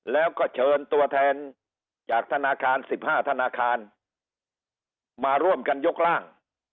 แล้วก็เชิญตัวแทนจากธนาคาร๑๕ธนาคารมาร่วมกันยกร่าง